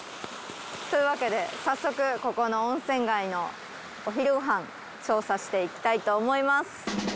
というわけで早速ここの温泉街のお昼ご飯調査していきたいと思います。